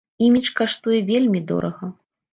Імідж каштуе вельмі дорага.